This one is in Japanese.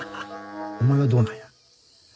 お前はどうなんや？